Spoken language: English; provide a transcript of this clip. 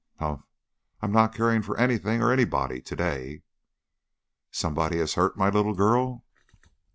"Humph! I'm not caring for anything or anybody to day." "Somebody has hurt my little girl."